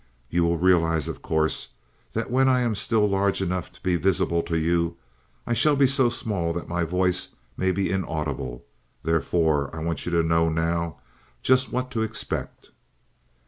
You will realize, of course, that when I am still large enough to be visible to you I shall be so small that my voice may be inaudible. Therefore, I want you to know, now, just what to expect.